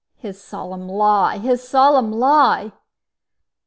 His solemn lie his solemn lie!